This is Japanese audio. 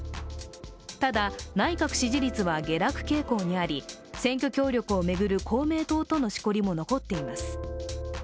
ただ、内閣支持率は下落傾向にあり選挙協力を巡る公明党とのしこりも残っています。